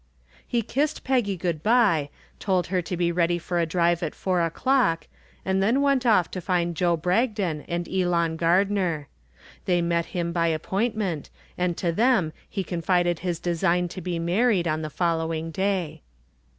He kissed Peggy good bye, told her to be ready for a drive at 4 o'clock, and then went off to find Joe Bragdon and Elon Gardner. They met him by appointment and to them he confided his design to be married on the following day.